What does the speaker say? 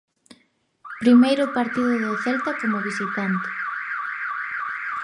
Primeiro partido do Celta como visitante.